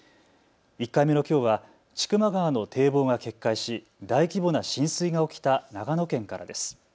１回目のきょうは千曲川の堤防が決壊し大規模な浸水が起きた長野県からです。